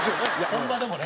本場でもね。